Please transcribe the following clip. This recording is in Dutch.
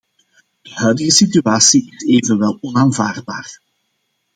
De huidige situatie is evenwel onaanvaardbaar.